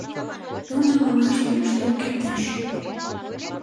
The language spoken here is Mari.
Нуным авашт лӱштен кертеш.